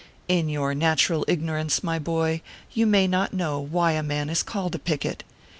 In your natural ignorance, my boy, you may not know why a man is called a picket.